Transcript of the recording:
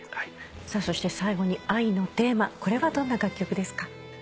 そして最後に『愛のテーマ』これはどんな楽曲ですか？